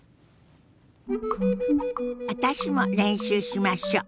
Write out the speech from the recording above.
私も練習しましょう。